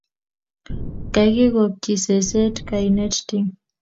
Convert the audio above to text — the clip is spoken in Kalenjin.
Kagikochi seset kainet Tim